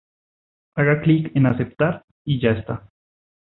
Haga clic en Aceptar y ya está.